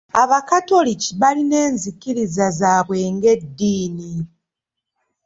Abakatoliki balina enzikiriza zaabwe ng'eddiini